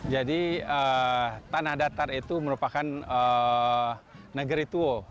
jadi tanah datar itu merupakan negeri tua